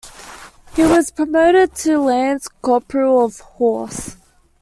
He was promoted to Lance-Corporal of Horse.